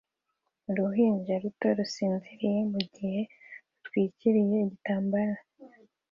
Uruhinja ruto rusinziriye mugihe rutwikiriye igitambaro